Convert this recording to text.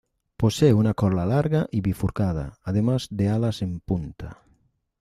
Posee una cola larga y bifurcada, además de alas en punta.